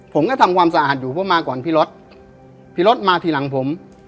ผมก็ทำความสะอาดอยู่เพราะมาก่อนพี่รถพี่รถมาทีหลังผม